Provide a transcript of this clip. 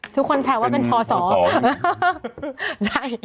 ถูกคนใช้ว่าเป็นท่อสเสาร์